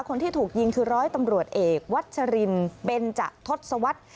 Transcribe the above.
คนที่ถูกยิงคือร้อยตำรวจเอกวัชรินเบนจะทศวรรษ